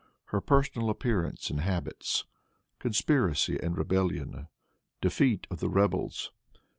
Her Personal Appearance and Habits. Conspiracy and Rebellion. Defeat of the Rebels.